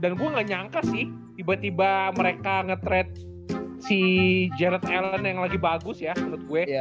dan gue gak nyangka sih tiba tiba mereka nge trade si jared allen yang lagi bagus ya menurut gue